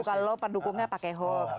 kalau pendukungnya pakai hoax